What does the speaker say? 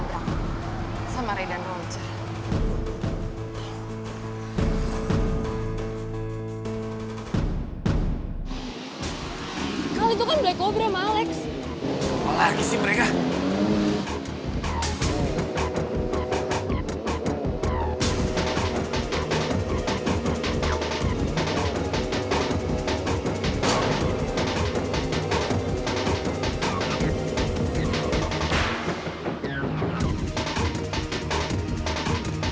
udah kita balik aja ya